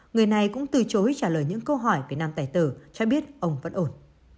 người này cũng từ chối trả lời những câu hỏi về nam tài tử cho biết ông vẫn ổn